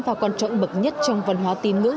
và quan trọng bậc nhất trong văn hóa tín ngưỡng